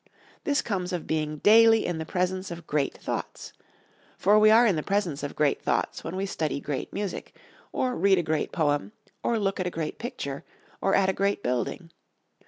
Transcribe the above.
This comes of being daily in the presence of great thoughts for we are in the presence of great thoughts when we study great music, or read a great poem, or look at a great picture, or at a great building.